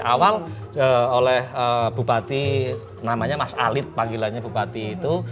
awal oleh bupati namanya mas alid panggilannya bupati itu